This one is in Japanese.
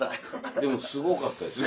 でもすごかったですよね。